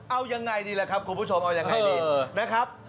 เอายังไงดีล่ะครับคุณผู้ชมเอายังไงดีนะครับ